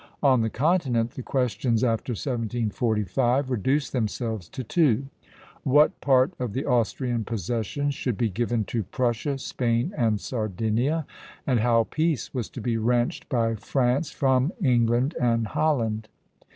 On the continent, the questions after 1745 reduced themselves to two, what part of the Austrian possessions should be given to Prussia, Spain, and Sardinia, and how peace was to be wrenched by France from England and Holland.